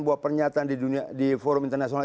sebuah pernyataan di forum internasional